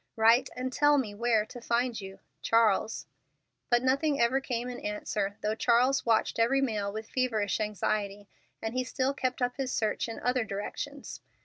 Write and tell me where to find you. CHARLES. But nothing ever came in answer, though Charles watched every mail with feverish anxiety; and he still kept up his search in other directions.